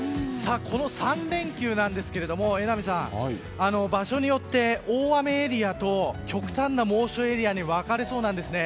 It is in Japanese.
この３連休ですが榎並さん、場所によって大雨エリアと極端な猛暑エリアに分かれそうなんですね。